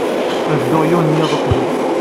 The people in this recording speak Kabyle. Ad dduɣ yiwen n yiḍ uqbel.